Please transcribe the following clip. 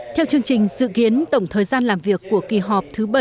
theo chương trình dự kiến tổng thời gian làm việc của kỳ họp thứ bảy